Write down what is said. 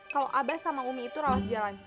kalau abah sama umi itu rawat jalan